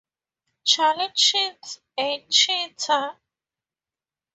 Charlie cheats a cheetah.